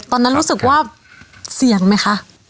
ตอนนั้นรู้สึกว่าเสี่ยงไหมคะ